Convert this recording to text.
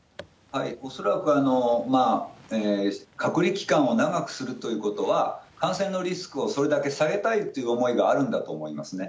恐らく隔離期間を長くするということは、感染のリスクをそれだけ下げたいという思いがあるんだと思いますね。